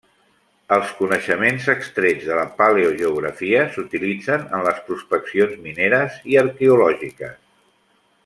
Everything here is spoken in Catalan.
Els coneixements extrets de la paleogeografia s'utilitzen en les prospeccions mineres i arqueològiques.